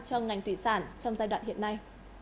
cho ngành thủy sản trong giai đoạn hiện nay